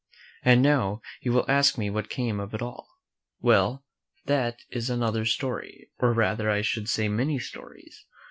And now you will ask me what came of it all. Well, that is another story, or rather, I should say, many stories.